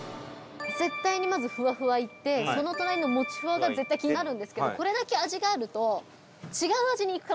絶対に、まずふわふわいってその隣の、もちふわが絶対気になるんですけどこれだけ味があると。